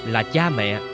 là cha mẹ